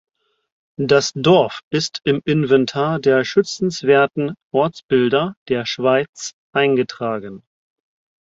Das Dorf ist im Inventar der schützenswerten Ortsbilder der Schweiz eingetragen.